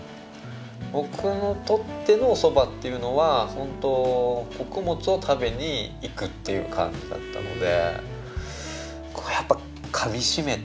僕にとってのお蕎麦というのは本当穀物を食べに行くという感じだったので。